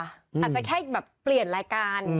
อาจจะแค่แบบเปลี่ยนรายการ